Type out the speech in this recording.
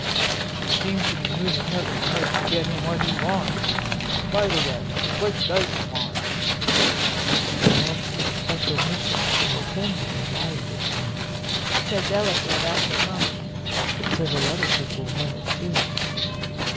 "She seems to be moving heaven and earth to get him what he wants. By the way, what does he want?" "He wants the special mission to Mokembe, as I understand," said Delafield, after a moment. "But several other people want it too."